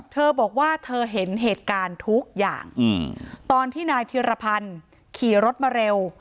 เธอบอกว่าเธอเห็นเหตุการณ์ทุกอย่างตอนที่นายธิรพันธ์ขี่รถมาเร็ว